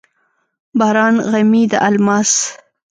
باران غمي د الماس،